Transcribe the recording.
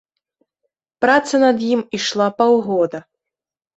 Праца над ім ішла паўгода.